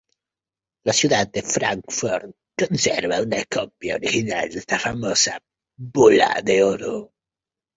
La ciudad de Fráncfort conserva una copia original de esta famosa bula de oro.